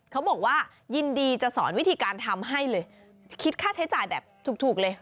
เขาบอกว่ายินดีจะสอนวิธีการทำให้เลยคิดค่าใช้จ่ายแบบถูกเลย